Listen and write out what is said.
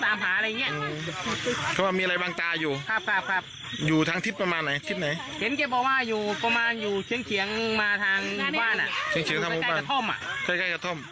อ้าวฟังเสียงชาวบ้านหน่อยค่ะ